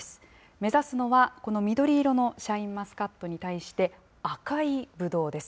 目指すのは、この緑色のシャインマスカットに対して、赤いブドウです。